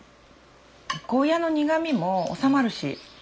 ゴーヤの苦みもおさまるし。